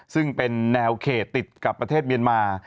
ซึ่งเป็นแนวเขตติดกับประเทศเมียนมา